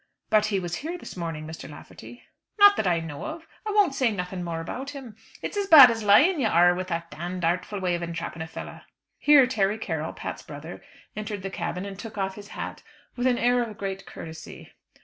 "But he was here this morning, Mr. Lafferty?" "Not that I know of. I won't say nothin' more about him. It's as bad as lying you are with that d d artful way of entrapping a fellow." Here Terry Carroll, Pat's brother, entered the cabin, and took off his hat, with an air of great courtesy.